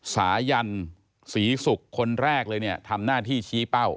สายันศรีศุกร์คนแรกเลยเนี่ยทำหน้าที่ชี้เป้า